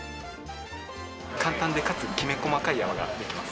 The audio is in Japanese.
簡単でかつきめ細かい泡ができます。